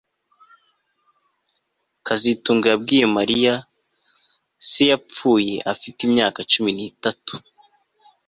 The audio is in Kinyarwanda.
kazitunga yabwiye Mariya se yapfuye afite imyaka cumi nitatu